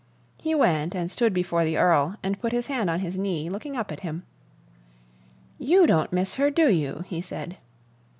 He went and stood before the Earl and put his hand on his knee, looking up at him. "YOU don't miss her, do you?" he said.